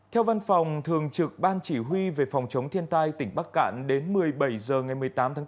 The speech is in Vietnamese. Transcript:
theo văn phòng thường trực ban chỉ huy về phòng chống thiên tai tỉnh bắc cạn đến một mươi bảy h ngày một mươi tám tháng bốn